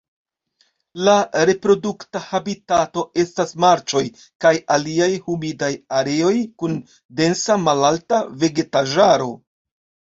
La reprodukta habitato estas marĉoj kaj aliaj humidaj areoj kun densa malalta vegetaĵaro.